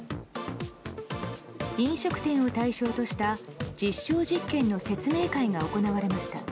飲食店を対象とした実証実験の説明会が行われました。